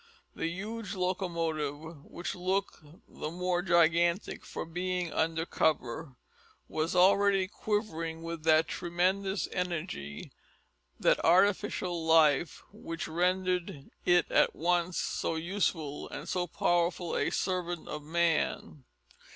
The huge locomotive, which looked all the more gigantic for being under cover, was already quivering with that tremendous energy that artificial life which rendered it at once so useful and so powerful a servant of man.